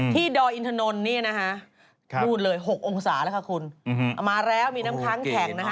ดอยอินทนนท์เนี่ยนะคะนู่นเลย๖องศาแล้วค่ะคุณมาแล้วมีน้ำค้างแข็งนะคะ